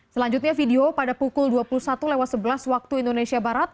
selanjutnya video pada pukul dua puluh satu sebelas wib